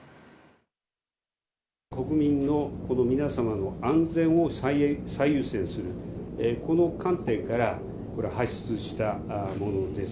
国民の皆様の安全を最優先する、この観点から発出したものです。